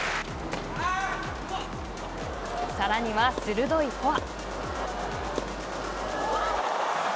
さらには鋭いフォア。